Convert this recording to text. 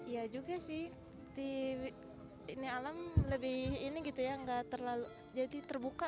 ya juga sih di alam lebih terbuka